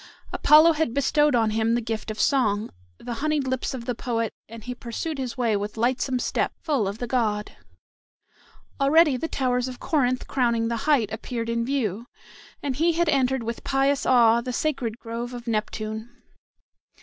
Apollo had bestowed on him the gift of song, the honeyed lips of the poet, and he pursued his way with lightsome step, full of the god. Already the towers of Corinth crowning the height appeared in view, and he had entered with pious awe the sacred grove of Neptune.